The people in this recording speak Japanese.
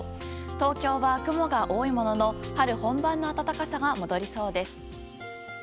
東京は雲が多いものの春本番の暖かさが戻りそうです。